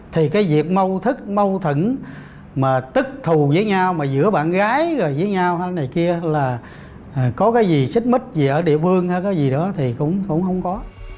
thì cái việc mâu thức mâu thử mà tức thù với nhau mà giữa bạn gái rồi với nhau hay này kia là có cái gì xích mít gì ở địa phương hay cái gì đó thì cũng không có